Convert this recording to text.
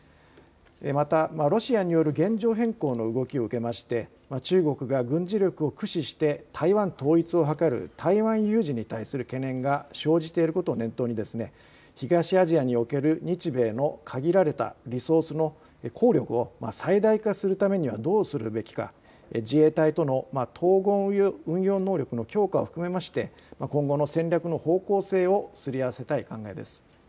またロシアによる現状変更の動きを受けまして中国が軍事力を駆使して台湾統一を図る台湾有事に対する懸念が生じていることを念頭に東アジアにおける日米の限られたリソースの効力を最大化するためにはどうするべきか、自衛隊との統合運用能力の強化などを含めまして今後の戦略の方向性をすり合わせたい考えです。